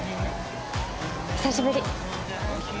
久しぶり！